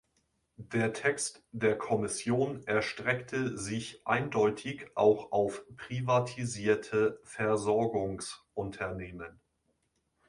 Der Text der Kommission erstreckte sich eindeutig auch auf privatisierte Versorgungsunternehmen.